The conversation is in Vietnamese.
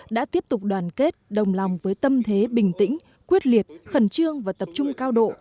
đã tiếp tục đoàn kết đồng lòng với tâm thế bình tĩnh quyết liệt khẩn trương và tập trung cao độ